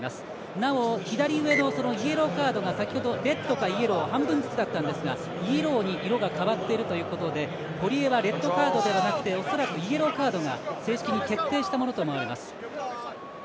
なお、左上のイエローカードが先ほどレッドかイエロー半分ずつだったんですがイエローに色が変わっているということで堀江はレッドカードではなく恐らくイエローカードが正式に決定したものと思われます。